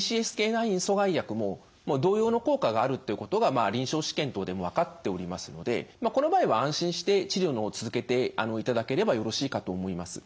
９阻害薬も同様の効果があるということが臨床試験等でも分かっておりますのでこの場合は安心して治療の方続けていただければよろしいかと思います。